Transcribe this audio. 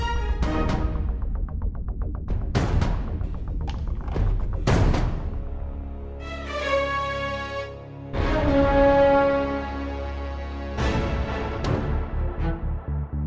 aduh menemudan pak arta kuang